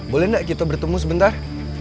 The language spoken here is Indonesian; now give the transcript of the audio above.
boleh nggak kita bertemu sebentar